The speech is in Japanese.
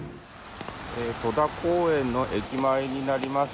戸田公園の駅前になります。